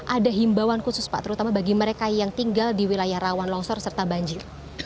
ada himbawan khusus pak terutama bagi mereka yang tinggal di wilayah rawan longsor serta banjir